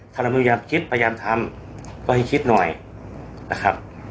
ถ้าเราพยายามคิดพยายามทำก็ให้คิดหน่อยนะครับ